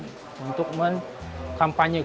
banding foto bishernya tidak ditahui